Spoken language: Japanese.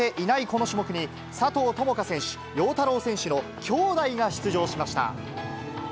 この種目に、佐藤友花選手、陽太郎選手の姉弟が出場しました。